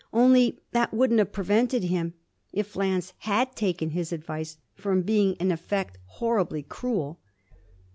Only that wouldn't have prevented him, if Lance had taken his advice, from being in effect horribly cruel.'